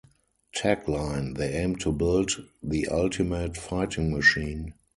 Tagline: They aimed to build the ultimate fighting machine.